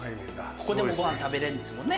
ここでもごはん食べれるんですもんね。